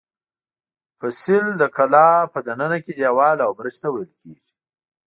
فصیل د کلا په دننه کې دېوال او برج ته ویل کېږي.